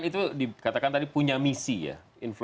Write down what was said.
menuruti pasar usaha sosial